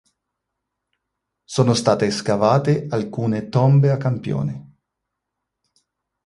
Sono state scavate alcune tombe a campione.